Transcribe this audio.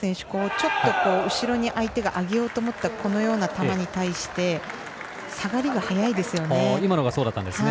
ちょっと後ろに相手があげようと思った球に対して下がりが早いですよね。